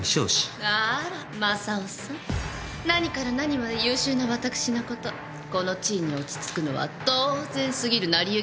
あら正夫さん。何から何まで優秀な私のことこの地位に落ち着くのは当然過ぎる成り行きですわ。